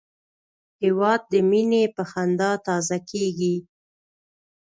هېواد د مینې په خندا تازه کېږي.